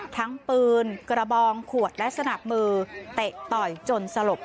ทั้งปืนกระบองขวดและสนับมือเตะต่อยจนสลบ